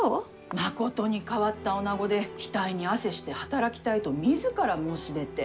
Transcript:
まことに変わったおなごで額に汗して働きたいと自ら申し出て。